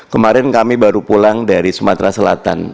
kemarin kami baru pulang dari sumatera selatan